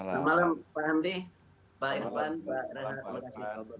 selamat malam pak hamdi pak irfan pak rana